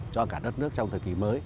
cho cả đất nước trong thời kỳ mới